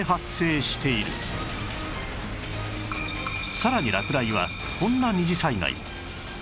さらに落雷はこんな二次災害も